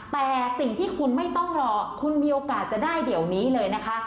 แต่สิ่งที่คุณไม่ต้องรอคุณมีโอกาสจะได้เดี๋ยวนี้เลยนะคะ